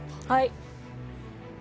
はい。